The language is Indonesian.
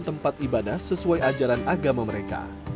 tempat ibadah sesuai ajaran agama mereka